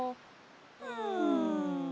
うん。